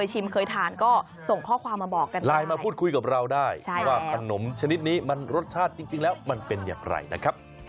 ใช่น่ารัก